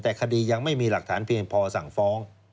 แต่คดียังไม่มีหลักฐานเพียงพอสั่งฟ้อง